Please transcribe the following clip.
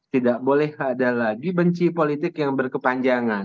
tidak boleh ada lagi benci politik yang berkepanjangan